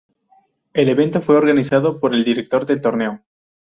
El evento fue organizado por el director del torneo.